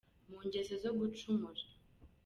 Mu ngeso zo gucumura.